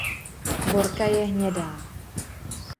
Borka je hnědá.